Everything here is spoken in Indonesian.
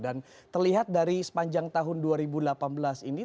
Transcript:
dan terlihat dari sepanjang tahun dua ribu delapan belas ini